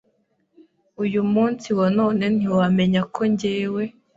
uyu munsi wa none ntiwamenya ko njyewe